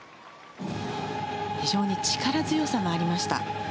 非常に力強さもありました。